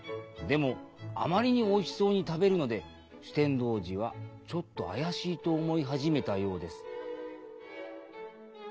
でもあまりにおいしそうに食べるので酒呑童子はちょっと怪しいと思い始めたようです。